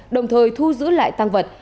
đồng thời thu giữ lại tăng vật